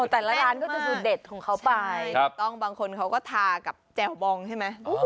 แต่ละร้านก็จะสูตเด็ดของเขาไปถูกต้องบางคนเขาก็ทากับแจ่วบองใช่ไหม